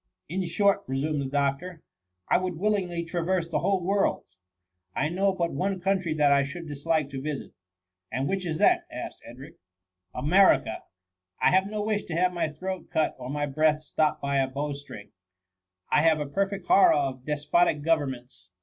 " In short,'' resumed the doctor, " I would willingly traverse the whole world ; I know but one country that I should dislike to vislt.^ And which is that i^^ asked Edric America. ' I have no wish to have my throat cut, or my breath stopped by a bowstring. I 116 THE MUMMT. have a perfect horror of despotic govern* ments.